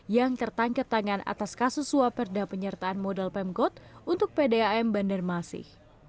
yang tertangkap tangan atas kasus suap perda penyertaan modal pemkot untuk pdam banjarmasin